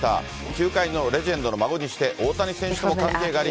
球界のレジェンドの孫にして、大谷選手と関係があり。